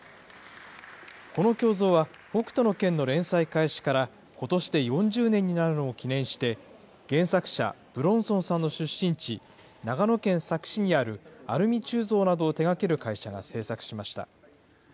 この胸像は、北斗の拳の連載開始からことしで４０年になるのを記念して原作者、武論尊さんの出身地、長野県佐久市にある、アルミ鋳造などを手がける会社が製作しました。